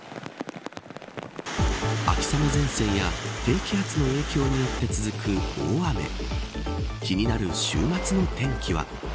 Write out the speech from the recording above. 秋雨前線や低気圧の影響によって続く大雨気になる週末の天気は。